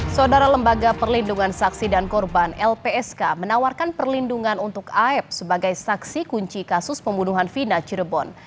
saudara lembaga perlindungan saksi dan korban lpsk menawarkan perlindungan untuk aep sebagai saksi kunci kasus pembunuhan vina cirebon